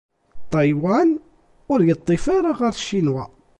Ṭaywan ur yeṭṭif ara ɣer Ccinwa.